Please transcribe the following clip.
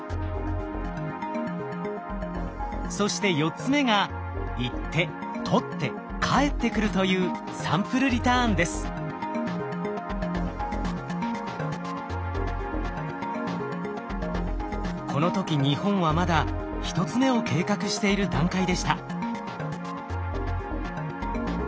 そして４つ目が行って採って帰ってくるというこの時日本はまだ１つ目を計画している段階でした。